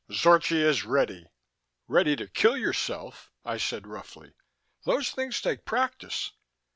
Zorchi is ready!" "Ready to kill yourself!" I said roughly. "Those things take practice!"